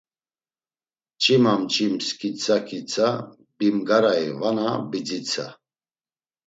Mç̌ima mç̌ims kitsa kitsa, Bimgarai vana bidzitsa?